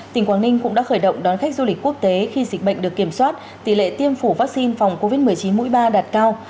tỉnh quảng ninh cũng đã khởi động đón khách du lịch quốc tế khi dịch bệnh được kiểm soát tỷ lệ tiêm chủng vaccine phòng covid một mươi chín mũi ba đạt cao